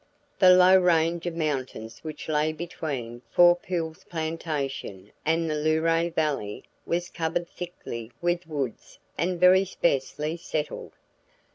The low range of mountains which lay between Four Pools Plantation and the Luray valley was covered thickly with woods and very sparsely settled.